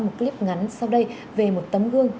một clip ngắn sau đây về một tấm gương